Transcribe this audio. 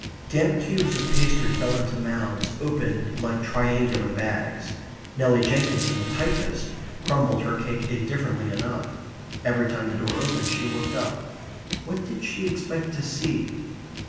Damp cubes of pastry fell into mouths opened like triangular bags. Nelly Jenkinson, the typist, crumbled her cake indifferently enough. Every time the door opened she looked up. What did she expect to see?